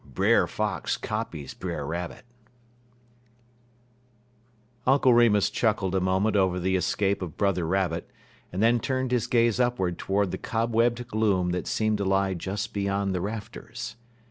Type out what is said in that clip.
IV BRER FOX COPIES BRER RABBIT Uncle Remus chuckled a moment over the escape of Brother Rabbit, and then turned his gaze upward toward the cobwebbed gloom that seemed to lie just beyond the rafters.